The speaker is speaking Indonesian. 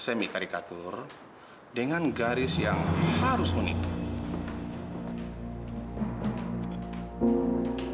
semi caricature dengan garis yang harus menituh